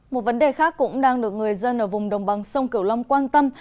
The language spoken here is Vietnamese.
một vấn đề khác cũng đang được người dân ở vùng đồng bằng sông kiều long quan tâm